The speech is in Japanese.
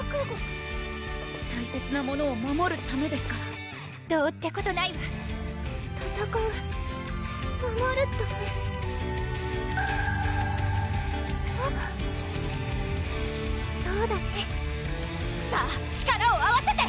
大切なものを守るためですからどうってことないわそうだねさぁ力を合わせて！